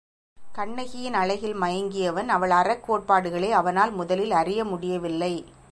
கண்ணகியின் அழகில் மயங்கியவன் அவள் அறக் கோட்பாடுகளை அவனால் முதலில் அறிய முடியவில்லை.